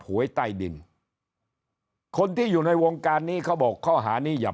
หวยใต้ดินคนที่อยู่ในวงการนี้เขาบอกข้อหานี้อย่า